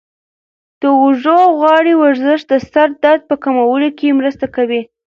د اوږو او غاړې ورزش د سر درد په کمولو کې مرسته کوي.